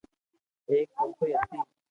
ايڪ سوڪرو ھتي